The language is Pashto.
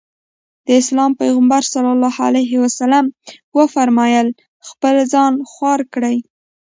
د اسلام پيغمبر ص وفرمايل خپل ځان خوار کړي.